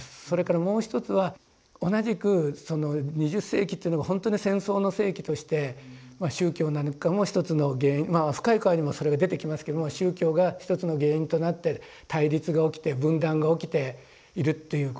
それからもう一つは同じく２０世紀っていうのがほんとに戦争の世紀としてまあ宗教なんかも一つの原因まあ「深い河」にもそれが出てきますけども宗教が一つの原因となって対立が起きて分断が起きているっていうことですね。